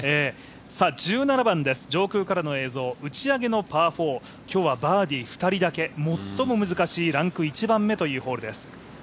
１７番です、上空からの映像打ち上げからのパー４今日はバーディー２人だけ最も難しいランク１番目というホールです。